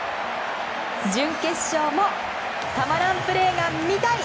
準決勝も、たまらんプレーが見たい！